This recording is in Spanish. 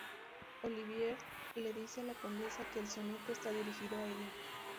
Olivier le dice a la Condesa que el soneto está dirigido a ella.